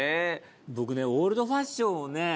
僕ねオールドファッションをね